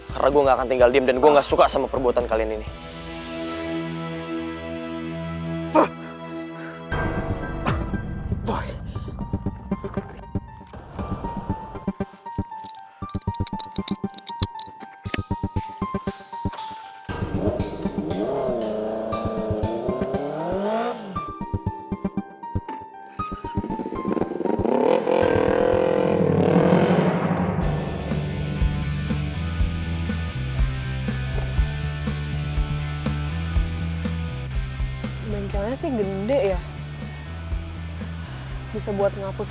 kalo emang dia ngampus hawai guaranteed bahwa dia udah mengambil vamos